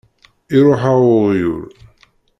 Iṛuḥ-aɣ uɣyul!